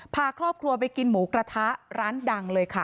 พาครอบครัวไปกินหมูกระทะร้านดังเลยค่ะ